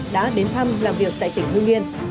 đã đến thăm làm việc tại tỉnh hương yên